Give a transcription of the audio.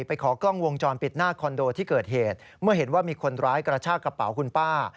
ไปขอกล้องวงจรปิดหน้าคอนโดที่เกิดเหตุเมื่อเห็นว่ามีคนร้ายกระชากระเป๋าคุณป้า